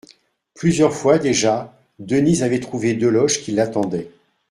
Plusieurs fois déjà, Denise avait trouvé Deloche qui l'attendait.